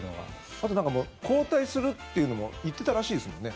あと、交代するというのも言ってたらしいですもんね。